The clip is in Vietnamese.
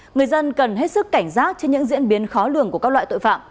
người dân cần hết sức cảnh giác trước những diễn biến khó lường của các loại tội phạm